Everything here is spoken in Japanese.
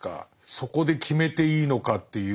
そこで決めていいのかっていう。